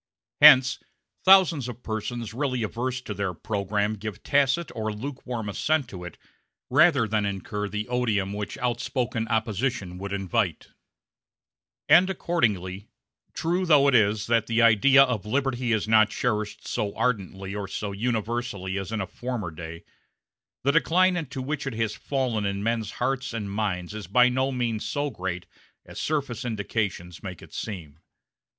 Hence thousands of persons really averse to their programme give tacit or lukewarm assent to it rather than incur the odium which outspoken opposition would invite; and accordingly, true though it is that the idea of liberty is not cherished so ardently or so universally as in a former day, the decline into which it has fallen in men's hearts and minds is by no means so great as surface indications make it seem.